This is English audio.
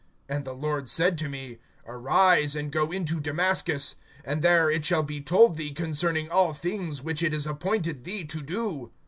And the Lord said to me: Arise, and go into Damascus; and there it shall be told thee concerning all things which it is appointed thee to do.